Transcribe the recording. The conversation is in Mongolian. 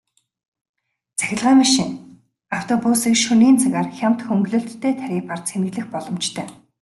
Цахилгаан машин, автобусыг шөнийн цагаар хямд хөнгөлөлттэй тарифаар цэнэглэх боломжтой.